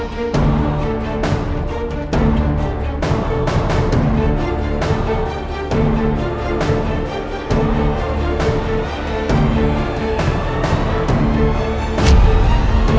tidak ada yang mau ngasih tau